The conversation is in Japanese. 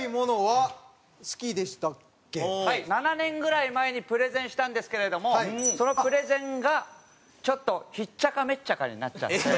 ７年ぐらい前にプレゼンしたんですけれどもそのプレゼンがちょっとひっちゃかめっちゃかになっちゃって。